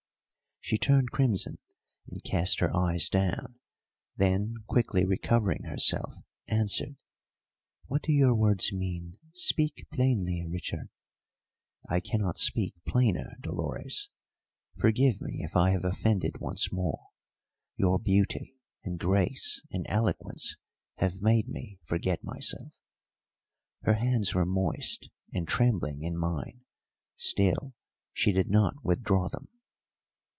She turned crimson and cast her eyes down; then, quickly recovering herself, answered: "What do your words mean? Speak plainly, Richard." "I cannot speak plainer, Dolores. Forgive me if I have offended once more. Your beauty and grace and eloquence have made me forget myself." Her hands were moist and trembling in mine, still she did not withdraw them.